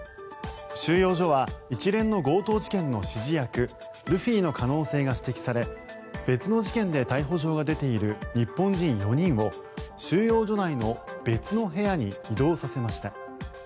収容所は一連の強盗事件の指示役ルフィの可能性が指摘され別の事件で逮捕状が出ている日本人４人を収容所内の別の部屋に移動させました。